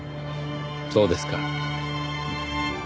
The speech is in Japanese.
そうですか。